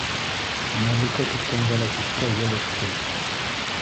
Мәликә киткәнгә лә тиҫтә йыл үтте.